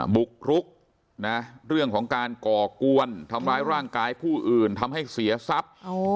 บุกรุกนะเรื่องของการก่อกวนทำร้ายร่างกายผู้อื่นทำให้เสียทรัพย์